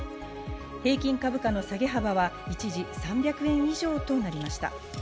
平均株価の下げ幅は一時３００円以上となりました。